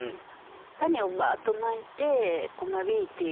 種をバーッとまいて間引いていく。